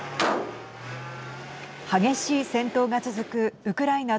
激しい戦闘が続くウクライナ